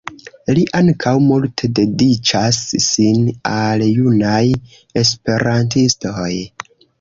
Li ankaŭ multe dediĉas sin al junaj esperantistoj.